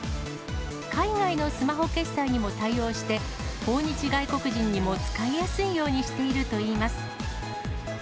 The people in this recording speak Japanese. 海外のスマホ決済にも対応して、訪日外国人にも使いやすいようにしているといいます。